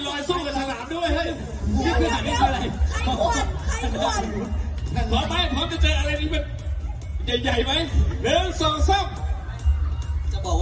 เรียบร้อย